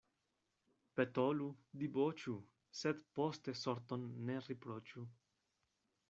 Petolu, diboĉu, sed poste sorton ne riproĉu.